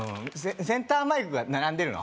センターマイクが並んでるの？